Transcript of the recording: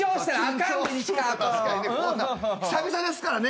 こんな久々ですからね。